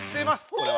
これは。